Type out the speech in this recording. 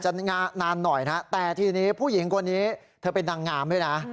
นานหน่อยนะแต่ทีนี้ผู้หญิงคนนี้เธอเป็นนางงามด้วยนะ